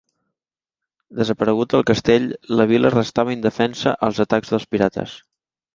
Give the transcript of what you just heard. Desaparegut el castell, la vila restava indefensa als atacs dels pirates.